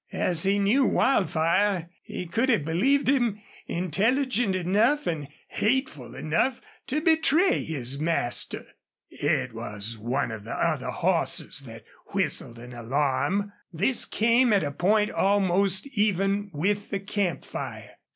As he knew Wildfire he could have believed him intelligent enough and hateful enough to betray his master. It was one of the other horses that whistled an alarm. This came at a point almost even with the camp fire.